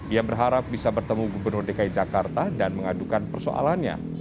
ia berharap bisa bertemu gubernur dki jakarta dan mengadukan persoalannya